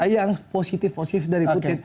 yang positif positif dari putin